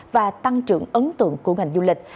và tăng trưởng ấn tượng của ngành du lịch